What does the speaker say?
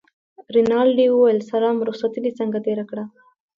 رینالډي وویل سلام رخصتې دې څنګه تېره کړه.